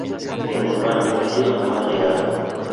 Sin embargo ellos jamás llegaron.